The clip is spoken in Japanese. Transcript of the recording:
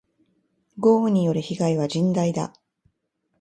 豪雨による被害は甚大だ。